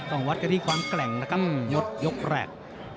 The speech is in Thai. วัดกันที่ความแกร่งนะครับยดยกแรก